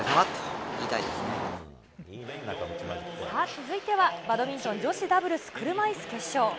続いては、バドミントン女子ダブルス車いす決勝。